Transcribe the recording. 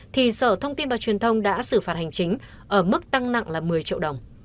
thì sở thông tin và truyền thông đã xử phạt hành chính ở mức tăng nặng là một mươi triệu đồng